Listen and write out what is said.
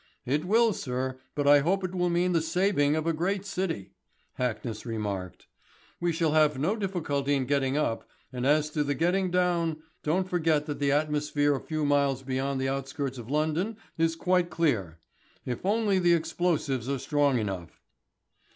"It will, sir, but I hope it will mean the saving of a great city," Hackness remarked. "We shall have no difficulty in getting up, and as to the getting down, don't forget that the atmosphere a few miles beyond the outskirts of London is quite clear. If only the explosives are strong enough!"